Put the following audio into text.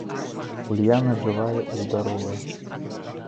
Ульяна жывая і здаровая.